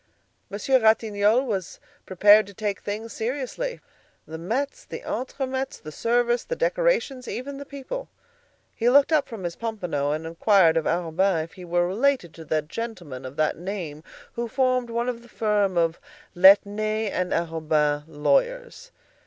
Monsieur Ratignolle was prepared to take things seriously; the mets, the entre mets, the service, the decorations, even the people. He looked up from his pompano and inquired of Arobin if he were related to the gentleman of that name who formed one of the firm of Laitner and Arobin, lawyers.